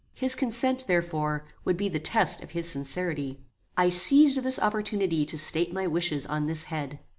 His consent, therefore, would be the test of his sincerity. I seized this opportunity to state my wishes on this head.